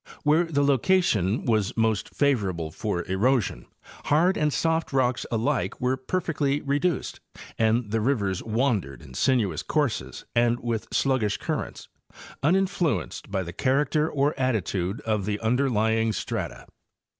Where the location was most favorable for erosion, hard and soft rocks alike were perfectly reduced, and the rivers wandered in sinuous courses and with sluggish currents, uninfluenced by the 78 Hayes and Campbell—Appalachian Geomorphology. character or attitude of the underlying strata.